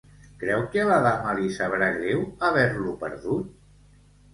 Creu que a la dama li sabrà greu haver-lo perdut?